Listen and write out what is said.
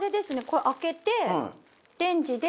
これ開けて。